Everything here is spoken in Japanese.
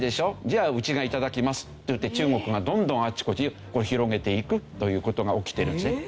じゃあうちが頂きます」といって中国がどんどんあちこち広げていくという事が起きてるんですね。